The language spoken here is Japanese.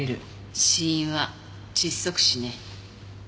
死因は窒息死ね。